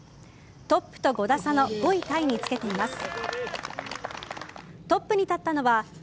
トップと５打差の５位タイにつけています。